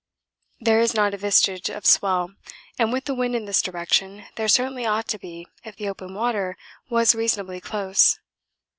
There is not a vestige of swell, and with the wind in this direction there certainly ought to be if the open water was reasonably close.